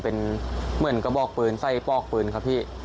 เป็นเหมือนกระบอกปืนไส้ปอกปืนครับพี่